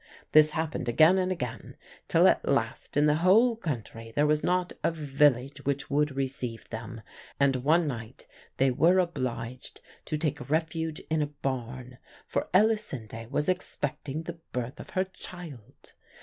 This happened again and again, till at last in the whole country there was not a village which would receive them, and one night they were obliged to take refuge in a barn, for Elisinde was expecting the birth of her child.